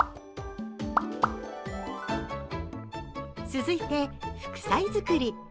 続いて副菜作り。